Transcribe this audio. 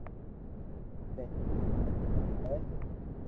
سي مون تو پريسون ھي